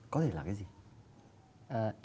có thể là cái gì